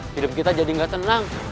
hidup kita jadi gak tenang